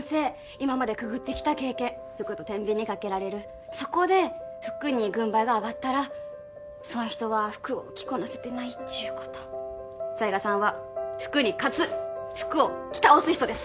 今までくぐってきた経験服とてんびんにかけられるそこで服に軍配が上がったらそん人は服を着こなせてないっちゅうこと犀賀さんは服に勝つ服を着倒す人です